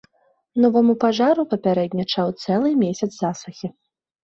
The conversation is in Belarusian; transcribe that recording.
Новаму пажару папярэднічаў цэлы месяц засухі.